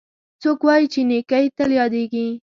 څوک وایي چې نیکۍ تل یادیږي